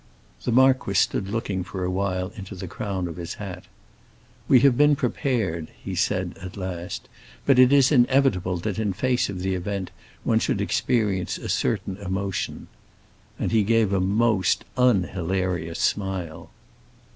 The marquis stood looking for a while into the crown of his hat. "We have been prepared," he said at last "but it is inevitable that in face of the event one should experience a certain emotion." And he gave a most unhilarious smile.